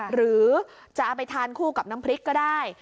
หรือจะเอาไปทานคู่กับน้ำพริกก็ได้